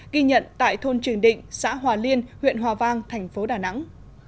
ghi nhận tại thôn trường định xã hòa liên huyện hòa vang thành phố đà nẵng